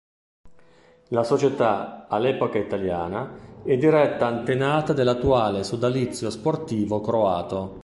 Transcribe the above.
La società all'epoca italiana e diretta antenata dell'attuale sodalizio sportivo croato.